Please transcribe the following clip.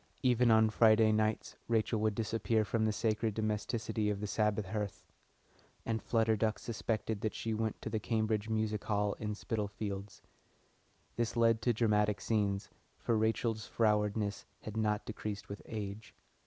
Even on Friday nights Rachel would disappear from the sacred domesticity of the Sabbath hearth, and Flutter Duck suspected that she went to the Cambridge Music Hall in Spitalfields. This led to dramatic scenes, for Rachel's frowardness had not decreased with age.